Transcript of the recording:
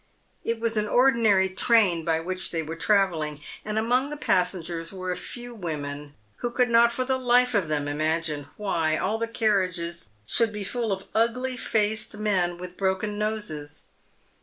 It was an ordinary train by which they were travelling, and among the passengers were a few women, who could not for the life of them imagine why all the carriages should be full of ugly faced men with broken noses.